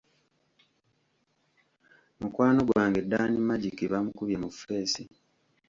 Mukwano gwange Dan Magic bamukubye mu ffeesi!